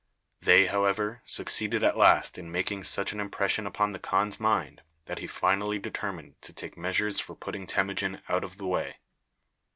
They, however, succeeded at last in making such an impression upon the khan's mind that he finally determined to take measures for putting Temujin out of the way.